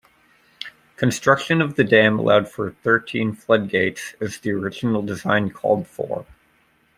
Construction of the dam allowed for thirteen floodgates, as the original design called for.